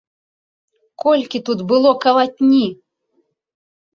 Колькі тут было калатні!